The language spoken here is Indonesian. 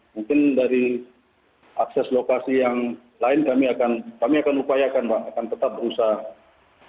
mungkin dari akses lokasi yang lain kami akan kami akan berupaya mbak akan tetap berusaha